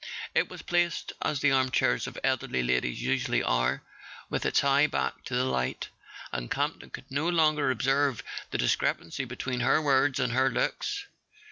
It was placed, as the armchairs of elderly ladies usually are, with its high back to the light, and Campton could no longer observe the discrepancy between her words and her looks.